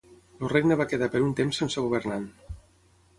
El regne va quedar per un temps sense governant.